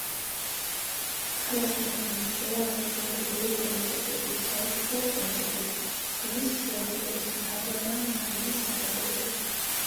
ქალაქი გამოირჩევა არაჩვეულებრივი პეიზაჟებით, საუცხოო პლაჟებით, ზღვის სიახლოვეს, მრავლადაა მარილის საბადოები.